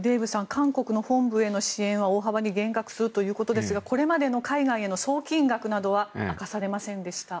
韓国の本部への支援は大幅に減額するということですがこれまでの海外への送金額は明かされませんでした。